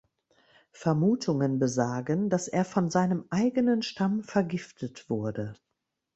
Vermutungen besagen, dass er von seinem eigenen Stamm vergiftet wurde.